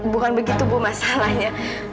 bukan begitu bu masalahnya